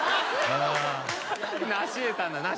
なし得たんだな。